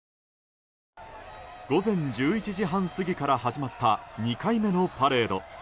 午前１１時半過ぎから始まった２回目のパレード。